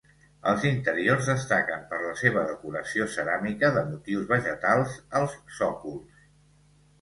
Els interiors destaquen per la seva decoració ceràmica de motius vegetals als sòcols.